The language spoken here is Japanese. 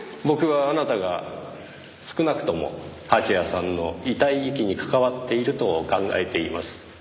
僕はあなたが少なくとも蜂矢さんの遺体遺棄に関わっていると考えています。